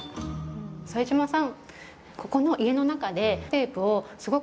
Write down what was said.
副島さん